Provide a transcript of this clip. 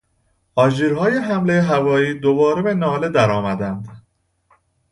آژیرهای حملهی هوایی دوباره به ناله درآمدند.